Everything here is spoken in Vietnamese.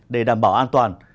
để đảm bảo an toàn